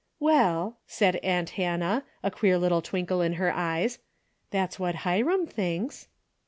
''Well," said aunt Hannah, a queer little twinkle in her eyes, "that's what Hiram thinks."